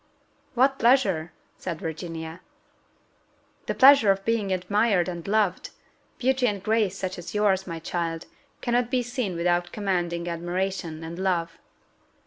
"What pleasure?" said Virginia. "The pleasure of being admired and loved: beauty and grace such as yours, my child, cannot be seen without commanding admiration and love."